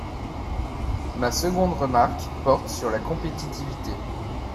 Ma seconde remarque porte sur la compétitivité.